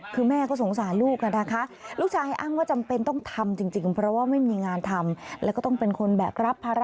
คือแม่ก็สงสารลูกค่ะนะคะ